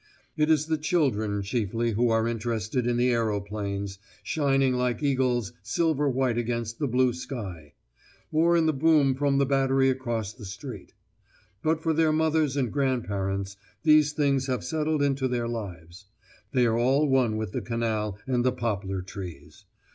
It is the children, chiefly, who are interested in the aeroplanes, shining like eagles silver white against the blue sky; or in the boom from the battery across the street. But for their mothers and grandparents these things have settled into their lives; they are all one with the canal and the poplar trees.